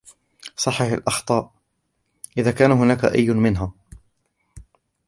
صَحِح الأخطاء, إذا كان هناك أي منها.